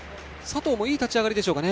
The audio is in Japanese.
佐藤もいい立ち上がりでしょうか。